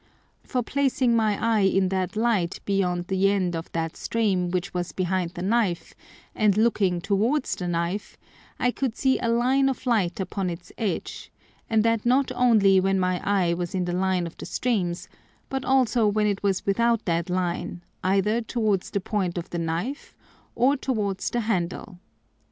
For placing my Eye in that Light beyond the end of that stream which was behind the Knife, and looking towards the Knife, I could see a line of Light upon its edge, and that not only when my Eye was in the line of the Streams, but also when it was without that line either towards the point of the Knife, or towards the handle.